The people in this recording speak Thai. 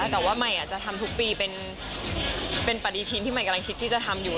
แต่ว่าใหม่จะทำทุกปีเป็นปฏิทินที่ใหม่กำลังคิดที่จะทำอยู่